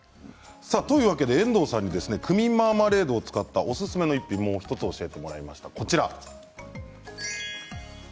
遠藤さんにクミンマーマレードを使ったおすすめの一品を教えていただきました。